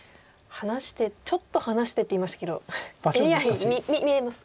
ちょっと離してって言いましたけどＡＩ見えますか？